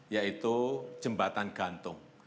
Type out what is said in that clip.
yaitu jembatan gantung